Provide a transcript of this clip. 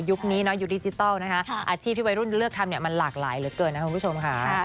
ยุคนี้อยู่ดิจิตัลอาชีพที่วัยรุ่นเลือกทำมันหลากหลายเหลือเกินนะคุณผู้ชมค่ะ